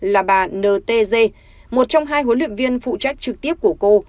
là bà n t g một trong hai huấn luyện viên phụ trách trực tiếp của cô